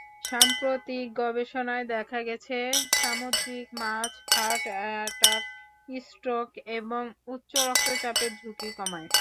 সাম্প্রতিক গবেষণায় দেখা গেছে, সামুদ্রিক মাছ হার্ট-অ্যাটাক, স্ট্রোক এবং উচ্চ-রক্তচাপের ঝুঁকি কমায়।